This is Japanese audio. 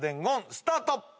スタート！